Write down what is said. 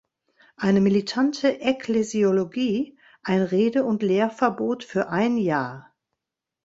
Eine militante Ekklesiologie" ein Rede- und Lehrverbot für ein Jahr.